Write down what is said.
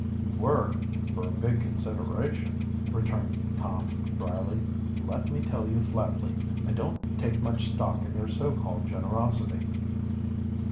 "You were for a big consideration," returned Tom dryly. "Let me tell you flatly, I don't take much stock in your so called generosity."